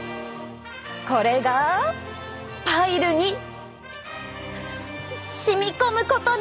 これがパイルにしみこむことで。